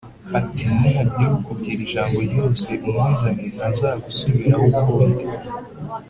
ati “Nihagira ukubwira ijambo ryose umunzanire, ntazagusubiraho ukundi.”